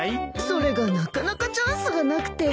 それがなかなかチャンスがなくて。